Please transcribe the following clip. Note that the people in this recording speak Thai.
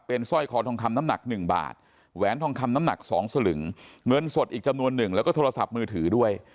สร้อยคอทองคำน้ำหนัก๑บาทแหวนทองคำน้ำหนัก๒สลึงเงินสดอีกจำนวนหนึ่งแล้วก็โทรศัพท์มือถือด้วย